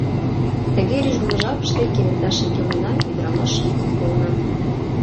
Тыге рӱжгымӧ жапыште кенета шеҥгелнына ӱдырамаш йӱкым колна.